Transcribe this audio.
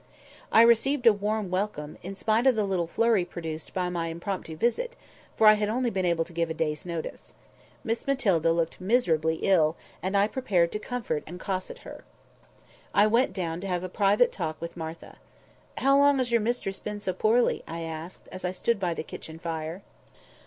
I received a warm welcome, in spite of the little flurry produced by my impromptu visit, for I had only been able to give a day's notice. Miss Matilda looked miserably ill; and I prepared to comfort and cosset her. I went down to have a private talk with Martha. "How long has your mistress been so poorly?" I asked, as I stood by the kitchen fire.